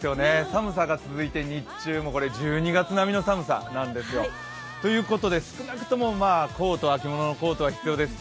寒さが続いて、日中も１２月並みの寒さなんですよ。ということで、少なくとも秋物のコートが必要です。